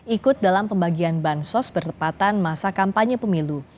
ikut dalam pembagian bansos bertepatan masa kampanye pemilu